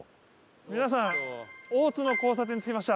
皆さんオオツの交差点着きました。